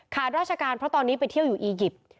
ราชการเพราะตอนนี้ไปเที่ยวอยู่อียิปต์